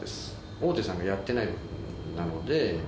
大手さんがやってない部分なので。